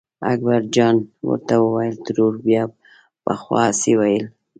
اکبرجان ورته وویل ترور بیا پخوا هسې ویل.